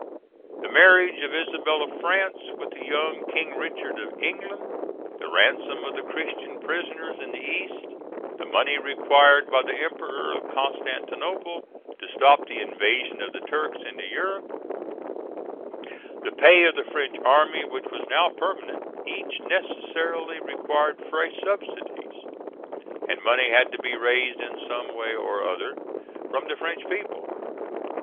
283). The marriage of Isabel of France with the young king Richard of England, the ransom of the Christian prisoners in the East, the money required by the Emperor of Constantinople to stop the invasions of the Turks into Europe, the pay of the French army, which was now permanent, each necessarily required fresh subsidies, and money had to be raised in some way or other from the French people.